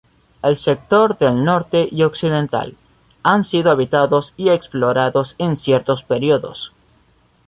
El sector norte y occidental, han sido habitados y explorados en ciertos períodos.